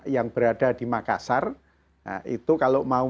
yang berada di makassar itu kalau mau